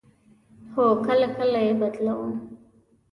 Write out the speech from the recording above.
هو، کله کله یی بدلوم